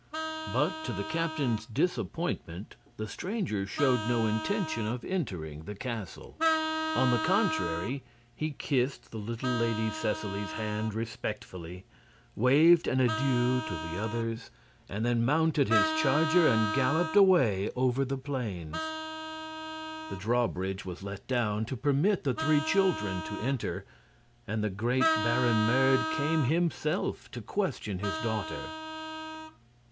But to the captain's disappointment the stranger showed no intention of entering the castle. On the contrary, he kissed the little Lady Seseley's hand respectfully, waved an adieu to the others, and then mounted his charger and galloped away over the plains. The drawbridge was let down to permit the three children to enter, and the great Baron Merd came himself to question his daughter.